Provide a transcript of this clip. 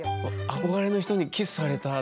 憧れの人にキスされた。